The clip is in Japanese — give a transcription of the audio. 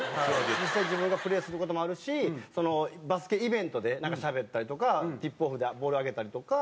実際自分がプレーする事もあるしバスケイベントでなんかしゃべったりとかティップオフでボール上げたりとか。